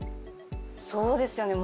そうですよね